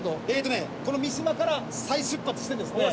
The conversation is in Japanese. ねこの三島から再出発してですね